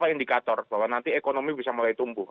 apa indikator bahwa nanti ekonomi bisa mulai tumbuh